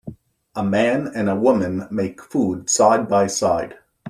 A man and woman make food side by side.